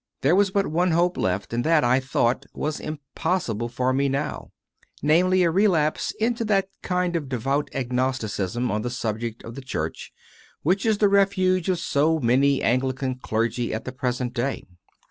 There was but one hope left, and that, I thought, was impossible for me now; namely, a relapse into that kind of devout agnosticism on the subject of the Church, which is the refuge of so many Anglican clergy at the present day.